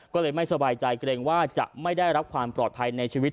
ก็เลยไม่สบายใจเกรงว่าจะไม่ได้รับความปลอดภัยในชีวิต